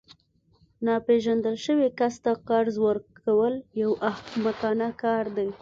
ناپیژندل شوي کس ته قرض ورکول یو احمقانه کار دی